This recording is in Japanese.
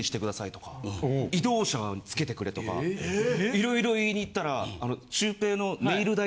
「移動車つけてくれ」とか色々言いに行ったら。